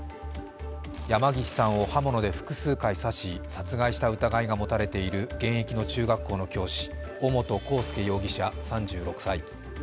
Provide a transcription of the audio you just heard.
山岸さんを刃物で複数回刺し、殺害した疑いが持たれている現役の中学校の教師尾本幸祐容疑者３６歳。